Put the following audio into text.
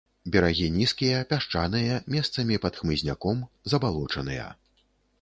Берагі нізкія, пясчаныя, месцамі пад хмызняком, забалочаныя.